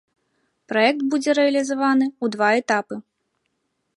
Праект будзе рэалізаваны ў два этапы.